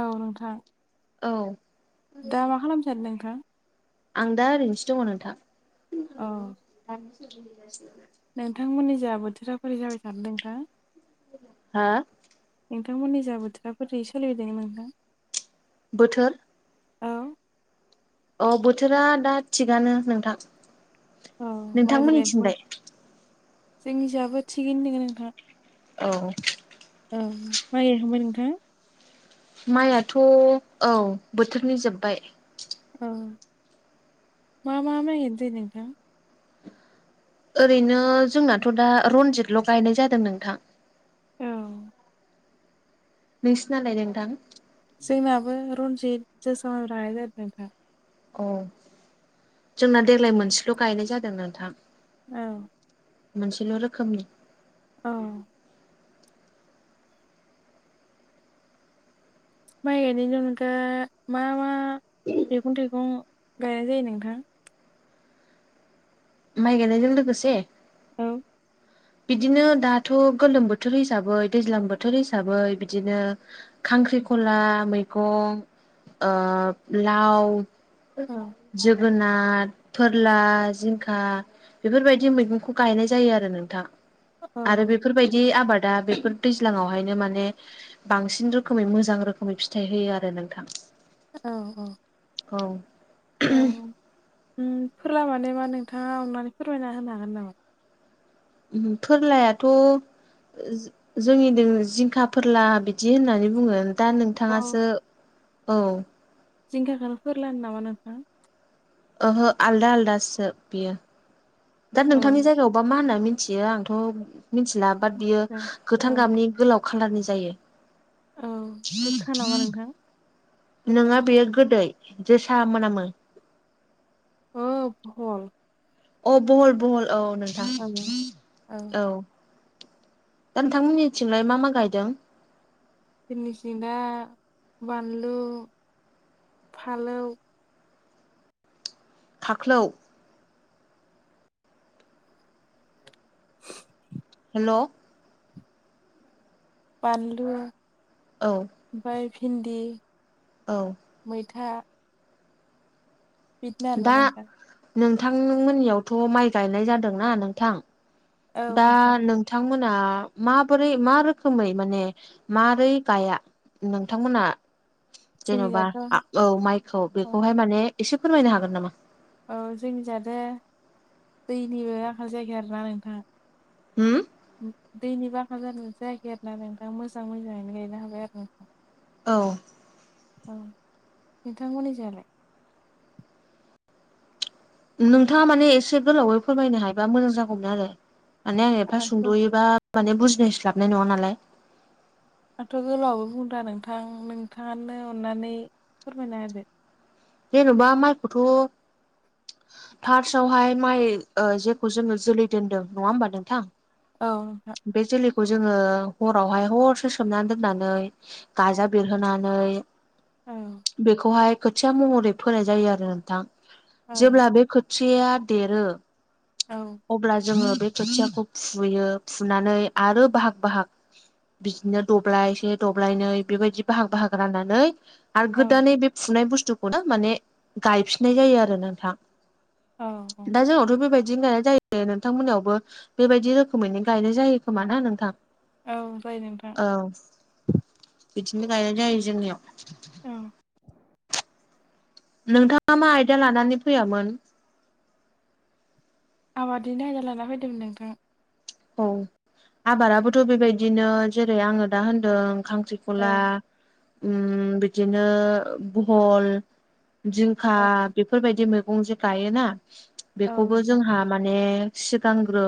औ नोंथां औ दा मा खालामनो सानदों नोंथां? आं दा ओरैनोसो दङ नोंथां औ [unintelligible] नोंथांमोननि जा बोथोरा बोरै जाबाय थादों नोंथां हा नोंथांमोननि जा बोथोरफोरा बोरै सोलिदों नोंथां बोथोर औ अ बोथोरा दा थिगानो नोंथां औ माइब्रायाबो नोंथांमोननिथिंलाय जोंनि जाबो थिगैनो दोङो नोंथां औ औ माय गायखांबाय नोंथां माइआथ' औ बोथोरनि जोबबाय औ मा मा माय गायनाय जायो नोंथां ओरैनो जोंनाथ' दा रनजितल' गायनाय जादों नोंथां औ नोंसिनालाय नोंथां जोंनाबो रनजित जोसा मायब्रा गायनाय जादों नोंथां औ जोंना देग्लाय मोनसेल' गायनाय जादों नोंथां औ मोनसेल' रोखोमनि औ माइ गायनायनि अनगा मा मा मैगं थाइगं गायनाय जायो नोंथां माइ गायनायजों लोगोसे औ बिदिनो दाथ' गोलोम बोथोर हिसाबै दैज्लां बोथोर हिसाबै बिदिनो खांख्रिखला मैगं ओ लाव औ जोगोनार फोरला जिंखा बेफोरबायदि मैगंखौ गायनाय जायो आरो नोंथां औ आरो बेफोरबायदि आबादा बेफोर दैज्लाङावहायनो माने बांसिन रोखोमै मोजां रोखोमै फिथाइ होयो आरो नोंथां औ औ औ औ उम फोरला माने मा नोंथाङा अननानै फोरमायना होनो हागोन नामा फोरलायाथ' जोंनिजों जिंखा फोरला बिदि होननानै बुङो दा अ नोंथाङासो औ जिंखाखोनो फोरला होनो नामा नोंथां ओहो आलदा आलदासो बियो दा औ नोंथांनि जायगायाव बा मा होन्ना मिथियो आंथ' मिथिला बाट बियो दे गोथां औ गाबनि गोलाव खालारनि जायो औ गोखा नामा नोंथां? नोङा बेयो गोदै जोसा मोनामो अ बहल अ बहल बहल औ नोंथां औ औ दा नोंथांमोननिथिंलाय मा मा गायदों जोंनि सिं दा बानलु फालौ खाख्लौ हेलौ बानलु औ ओमफ्राय भिनदि औ मैथा बिदिनो आरो ना नोंथां नोंथां मोननियावथ' माइ गायनाय जादोंना नोंथां औ दा नोंथां नोंथांमोना माबोरै मा रोखोमै माने मारै गाया नोंथांमोना जोंनि जेन'बा जाथ' औ माइखौ औ बेखौहाय माने एसे फोरमायनो हागोन नामा औ जोंनि जोंनिथि दैनिबो आंखाल जायगाया आरोना नोंथां होम दैनि बाखा जानो जायाखैया दा नोंथांङा मोजां मोजाङैनो गायनो हाबाय आरो नोंथां औ औ नोंथां मोननिजोंलाय नोंथाङा माने एसे गोलावै फोरमायनो हायोबा मोजां जागौमोन आरो माने आं एफा आंथ' सुंद'योबा माने बुजिनायस्लाबनाय नङा नालाय दाथ' गोलावबो बुंद्रा नोंथां नोंथांङानो अननानै फोरमायना होदो जेन'बा माइखौथ' फार्सआवहाय माइ जेखौ जोङो जोलै दोनदों नंङा होमबा नोंथां औ नोंथां बे जोलैखौ जोंङो हरावहाय हरसो सोमनानै दोननानै गाजा बेरहोनानै औ बेखौहाय खोथिया महरै फोनाय जायो आरो नोंथां औ जेब्ला बे खोथिया देरो औ अब्ला जोंङो बे खोथियाखौ फुयो फुनानै आरो बाहाग बाहाग बिदिनो दब्लायसे दब्लायनै बेबायदि बाहाग बाहाग राननानै आरो औ गोदानै बे फुनाय बुस्थुखौनो माने गायफिननाय जायो आरो नोंथां औ-औ दा जोंनावथ' बेबायदिनो गनायनाय जायो नोंथांमोननियावबो बेबायदि रोखोमैनो गायनाय जायो खोमा ना नोंथां औ जायो नोंथां औ बिदिनो गायनाय जायो जोंनियाव औ नोंथांङा मा आयदा लानानै फैयामोन आबादनिनो आयदा लाना फैदोंमोन नोंथां औ औ आबादाबोथ' बेबायदिनो जेरै आङो दा होनदों खांख्रिखला उम बिदिनो बहल जिंखा औ बेफोरबायदि मैगं जे गायोना औ बेखौबो नोंथां जोंहा माने सिगांग्रो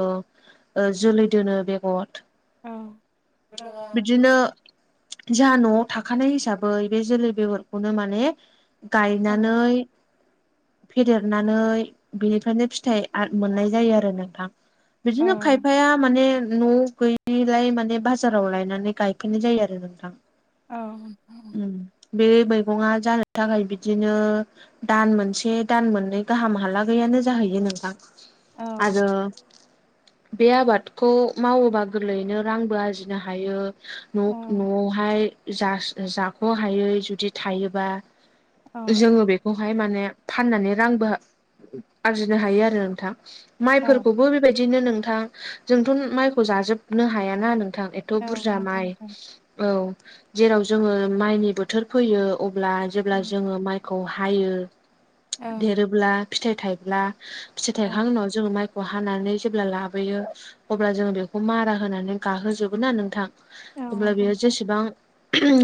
ओ जोलै दोनो बेगर औ बिदिनो जोंहा न'आव थाखानाय हिसाबै बे जोलै बेगरखौनो माने औ गायनानै फेदेरनानै बेनिफ्रायनो फिथाइ मोननाय जायो आरो नोंथां औ बिदिनो खायफाया माने न' गैयिलाय माने बाजाराव लायनानै गायफैनाय जायो आरो नोंथां औ बे मैगङा जानो थाखाय बिदिनो दान मोनसे दान मोननै गाहाम हालागैयानो जाहैयो नोंथां आरो औ बे आबादखौ मावोबा गोरलैयैनो रांबो आरजिनो हायो औ न' जाख' हायै जुदि थायोबा औ जोंङो नोंथां बेखौ बेहाय माने फाननानै रांबो आरजिनो हायो आरो नोंथां औ माइफोरखौबो बेबायदिनो नोंथांङा जोंथ' माइखौ जाजोबनो हायाना नों थां एथ' औ बुरजा नंगौ माइ नोंथां औ जेराव जोङो माइनि बोथोर फैयो अब्ला जेब्ला औ जोंङो माइखौ हायो ओं योब्ला फिथाय थायब्ला फिथाइ औ थायखांनायनि उनाव माइखौ हानानै जेब्ला लाबो बोयो अब्ला जों बेखौ मारा होनानै गाहोजोबो ना नोंथां अब्ला नंगौ बेयो नोंथां जेसेबां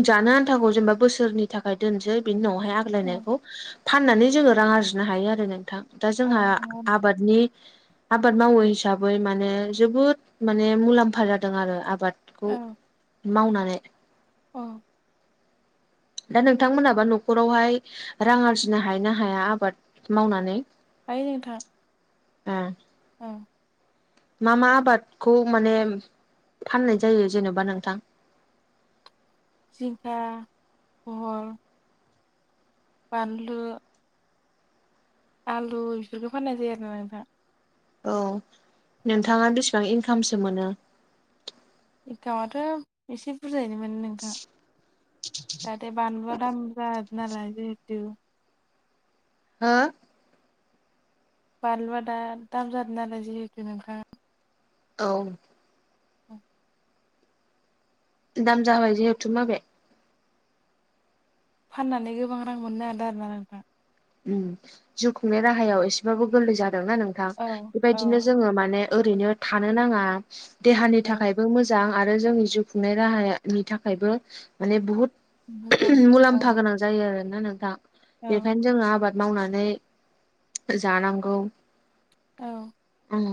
जानो आन्थाखौ जेनेबा बोसोरनि थाखाय दोनसै बिनि उनावहाय औ आग्लायनायखौ फाननानै जोङो रां आरजिनो हायो आरो नोंथां दा औ जोंहा नंगौ नोंथां आबादनि आबाद मावै हिसाबै माने जोबोद माने मुलाम्फा जादों आरो आबादखौ मावनानै अ दा नोंथांमोनाबा न'खरावहाय रां आरजिनो हायोना हाया आबाद मावनानै? हायो नोंथां ओ अ मा मा आबादखौ माने फाननाय जायो जेन'बा नोंथां? जिंखा, बहल बानलु आलु बिफोरखौ फाननाय जायो आरोना नोंथां औ नोंथाङा बेसेबां इनकामसो मोनो? इकाथ' इसे बुरजायैनो मोनो नोंथां दाथ' बानलुआ दाम जा नालाय जिहेतु हो? बानलुआ दा दाम जादो नालाय जिहेथु नोंथां औ [unintelligible] दाम जाबाय जिहेथु माबे? फाननानै गोबां रां मोननो हादों आरोना नोंथां ओम जिउ खुंनाय राहायाव एसेबाबो गोरलै जादोंना नोंथां औ औ बेबायदिनो जोङो माने ओरैनो थानो नाङा देहानि औ थाखायबो मोजां आरो जोंनि जिउ खुंनाय औ राहाया नि थाखायबो माने बुहुत मोजां औ मुलाम्फा गोनां जायो आरोना नोंथां औ बेखायनो जोङो आबाद मावनानै जानांगौ औ ओम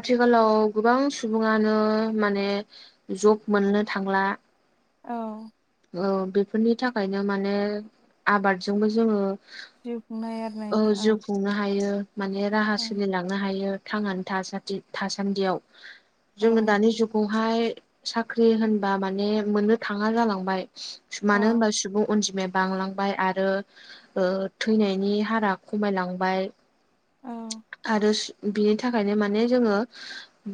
आथिखालाव गोबां सुबुङानो माने जब मोननो थांला औ औ बेफोरनि थाखायनो माने आबादजोंबो जोङो जिउ खुंनाया औ जिउ खुंनो हायो माने राहा औ सोलिलां नो हायो थांनानै थासान्दि थासान्दियाव औ जोङो दानि जुगाव हाय साख्रि होनबा माने मोननो थाङा जालांबाय मानो होनबा सुबुं अनजिमाया बांलांबाय आरो ओ थैनायनि हारा खमायलांबाय औ आरो बिनि थाखायनो माने जोङो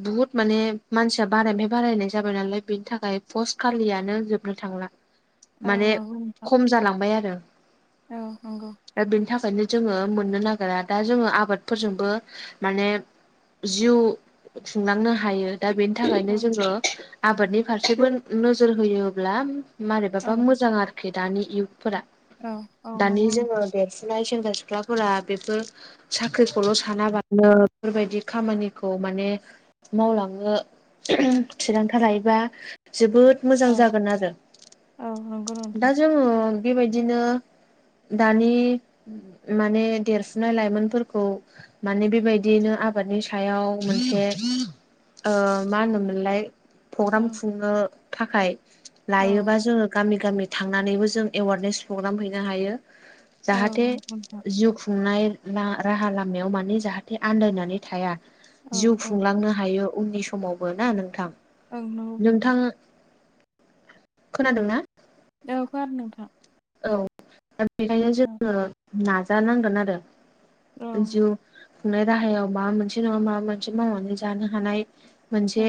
बुहुद माने मानसिया बारायनिफाय बारायनाय जाबाय नालाय बेनि थाखाय पस्ट खालियानो जोबनो थांला [inaudible] माने नंगौ नोंथां खम जालांबाय आरो औ नंगौ दा बेनि थाखायनो जोङो मोननो नागिरा दा जोङो आबाद फोरजोंबो माने जिउ खुंलांनो हायो दा बेनि बिनि औ थाखायनो जोङो आबादनि फारसेबो नोजोर होयोब्ला औ मारैबाबा मोजां आरोखि दानि इयुथफोरा। औ औ दानि नंगौ जोङो नोंथां देरफुनाय सेंग्रा सिख्लाफोरा बेफोर साख्रि साख्रिखौल' सानाबानो बेफोरबायदि खामानिखौ माने मावलांनो थिरांथा लायोबा जोबोद मोजां औ जागोन आरो। औ नंगौ दा नोंथां। जोङो बेबायदिनो दानि माने देरफुनाय लाइमोनफोरखौ खौ माने बेबायदियैनो आबादनि सायाव मोनसे ओ मा होनोमोनलाय। औ प्रग्राम खुंनो थाखाय औ लायोबा जोङो गामि गामि थांनानैबो जों एवारनेस प्रग्राम हैनो हायो। जाहाथे नंगौ नोंथां जिउ खुंनाय राहा लामायाव माने जाहाथे आन्दायनानै थाया। औ जिउ औ खुंलांनो हायो उननि समावबो ना नोंथां। ओं नंगौ नोंथां खोनादों ना। औ खोनादों नोंथां। औ दा बेखायनो औ जोङो नाजानांगोन आरो औ जिउ खुंनाय राहायाव माबा मोनसे नङा माबा मोनसे मावनानै जानो हानाय मोनसे औ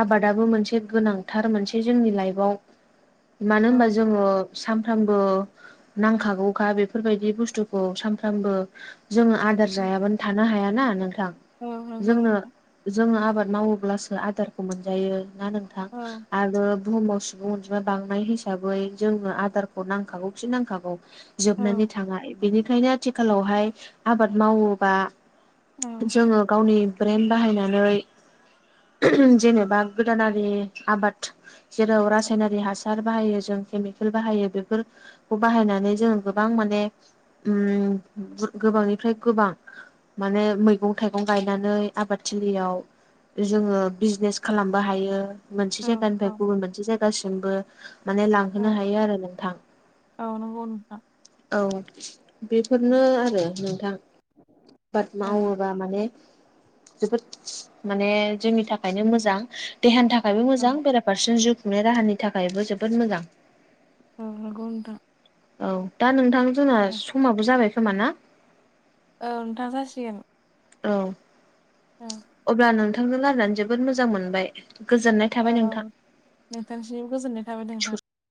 आबादाबो मोनसे गोनांथार मोनसे जोंनि लाइफआव मानो औ होनबा जोङो साम फ्रामबो नांखागौखा बेफोरबायदि बुस्थुखौ सानफ्रामबो जोङो आदार जायाबानो थानो हायाना नोंथां। औ नंगौ जोंनो नोंथां जोङो आबाद मावोब्लासो आदारखौ मोनजायो ना नोंथां औ आरो बुहुमाव सुबुं अनजिमा बांनाय हिसाबै जोंनो आदारखौ नांखागौ खि नांखागौ। औ जोबनानै थाङा बेनिखायनो आथिखालावहाय आबाद मावोबा औ जोङो गावनि ब्रेेन बाहायनानै। जेनेबा गोदानारि आबाद जेराव रासायनारि हासार बाहायो जों केमिकेल बाहायो बे बेफोरखौ बाहायनानै जोंङो गोबां माने ओम बुथ गोबांनिफ्राय गोबां माने मैगं थाइगं गायनानै आबादथिलियाव जोङो बिजनेस खालामनोबो हायो। मोनसे औ जायगानिफ्राय गुबुन मोनसे जायगासिमबो माने औ लांहोनो हायो आरो नोंथां। औ नंगौ नोंथां। औ औ बेफोरनो आरो नोंथां आबाद मावोबा। जोबोद माने जोंनि थाखायनो मोजां देहानि थाखाय थाखायबो औ मोजां बेराफारसेन जिउ खुंनाय राहानि थाखायबो जोबोद मोजां। औ नंगौ नोंथां। औ दा नोंथां जोंना समाबो जाबाय खोमाना? औ नोंथां जासिगोन। औ। औ। अब्ला नोंथांनो रायलायनानै जोबोद मोजां मोनबाय। गोजोननाय औ थाबाय नोंथां नोंथांसिमबो गोजोननाय थाबाय नोंथां।